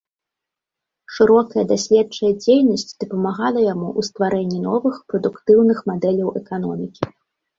Шырокая даследчая дзейнасць дапамагала яму ў стварэнні новых, прадуктыўных мадэляў эканомікі.